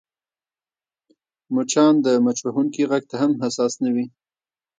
مچان د مچ وهونکي غږ ته هم حساس نه وي